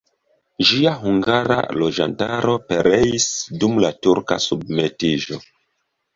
Ĝia hungara loĝantaro pereis dum la turka submetiĝo.